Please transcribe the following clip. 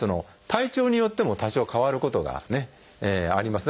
体調によっても多少変わることがあります。